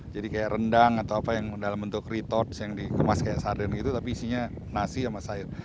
jadi kayak rendang atau apa yang dalam bentuk retorts yang dikemas kayak sarden gitu tapi isinya nasi sama sayur